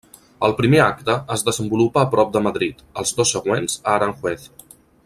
El primer acte es desenvolupa a prop de Madrid, els dos següents a Aranjuez.